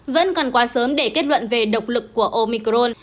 vẫn còn quá sớm để kết luận về độc lực của omicron